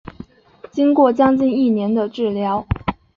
经过接近一年的治疗